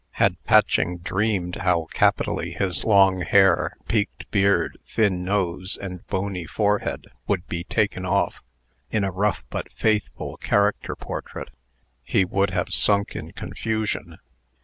Had Patching dreamed how capitally his long hair, peaked beard, thin nose, and bony forehead would be taken off, in a rough but faithful character portrait, he would have sunk in confusion.